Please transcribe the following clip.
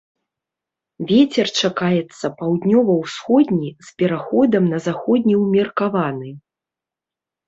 Вецер чакаецца паўднёва-ўсходні з пераходам на заходні ўмеркаваны.